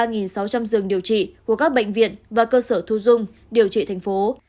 giường điều trị của các bệnh viện và cơ sở thu dung điều trị thành phố